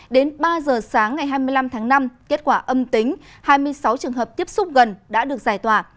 đến ba giờ sáng ngày hai mươi năm tháng năm kết quả âm tính hai mươi sáu trường hợp tiếp xúc gần đã được giải tỏa